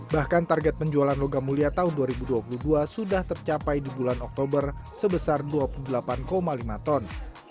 bahkan target penjualan logam mulia tahun dua ribu dua puluh dua sudah tercapai di bulan oktober sebesar dua puluh delapan lima ton